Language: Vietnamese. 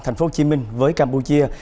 thành phố hồ chí minh với campuchia